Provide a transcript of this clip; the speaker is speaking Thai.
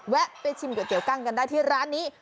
ไปชิมก๋วเตี๋ั้งกันได้ที่ร้านนี้